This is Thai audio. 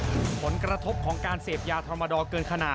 มีความรู้สึกว่ามีความรู้สึกว่า